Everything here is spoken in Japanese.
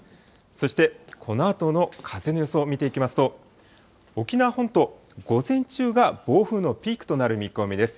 そしてこのあとの風の予想を見ていきますと、沖縄本島、午前中が暴風のピークとなる見込みです。